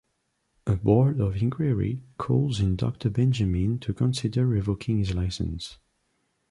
A board of inquiry calls in Doctor Benjamin to consider revoking his license.